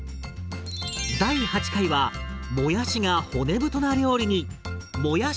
第８回はもやしが骨太な料理に。